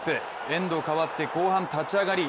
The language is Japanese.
エンド変わって後半、立ち上がり。